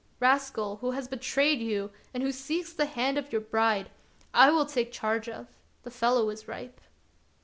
Rascal, who has betrayed you, and who seeks the hand of your bride, I will take charge of ; the fellow is ripe."